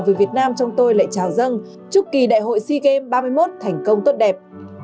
về việt nam trong tôi lại trào dâng chúc kỳ đại hội sea games ba mươi một thành công tốt đẹp